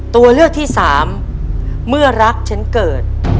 ตัวเลือกที่สามเมื่อรักฉันเกิด